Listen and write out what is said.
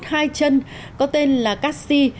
hai chân có tên là cassie